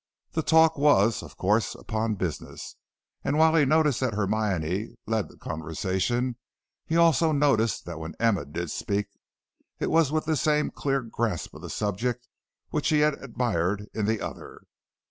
The talk was, of course, upon business, and while he noticed that Hermione led the conversation, he also noticed that when Emma did speak it was with the same clear grasp of the subject which he had admired in the other.